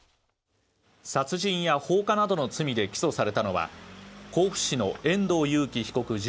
殺人や放火などの罪で起訴されたのは甲府市の遠藤裕喜被告